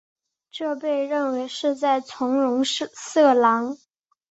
这被认为是在纵容色狼。